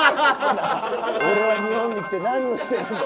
俺は日本に来て何をしてるんだ。